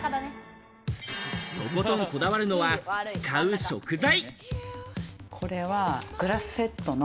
とことんこだわるのは、使う食材。